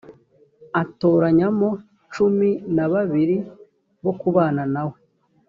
atoranyamo cumi na babiri bo kubana na we